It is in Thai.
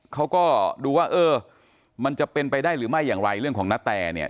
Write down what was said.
เขาก็ดูว่าเออมันจะเป็นไปได้หรือไม่อย่างไรเรื่องของนาแตเนี่ย